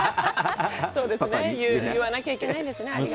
言わなきゃいけないですね。